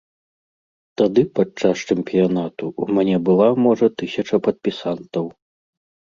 Тады, падчас чэмпіянату, у мяне была, можа, тысяча падпісантаў.